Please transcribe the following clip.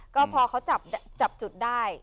ก็พอเขาจับจุดได้